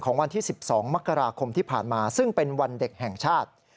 วันที่๑๒มกราคมที่ผ่านมาซึ่งเป็นวันเด็กแห่งชาติ